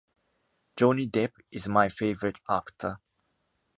Johny Depp is my favourite actor.